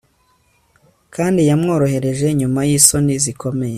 kandi yamworohereje nyuma yisoni zikomeye